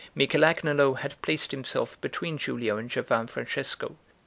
Michel Agnolo had placed himself between Giulio and Giovan Francesco.